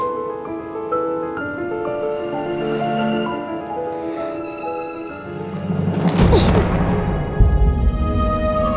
sekarang aku harus gimana